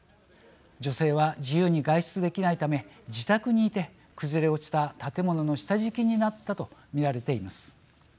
女性は自由に外出できないため自宅にいて、崩れ落ちた建物の下敷きになったと見られています。